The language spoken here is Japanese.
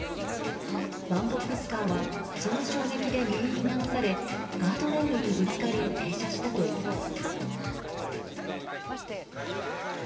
ワンボックスカーはその衝撃で右に流されガードレールにぶつかり停車したといいます。